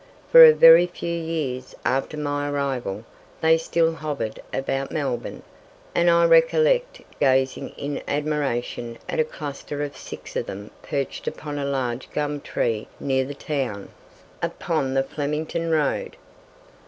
For a very few years after my arrival they still hovered about Melbourne, and I recollect gazing in admiration at a cluster of six of them perched upon a large gum tree near the town, upon the Flemington road.